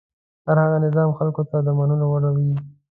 هر هغه نظام خلکو ته د منلو وړ وي.